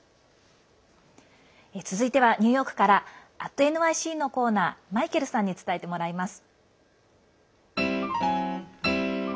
続いてはニューヨークから「＠ｎｙｃ」のコーナーマイケルさんに伝えてもらいます。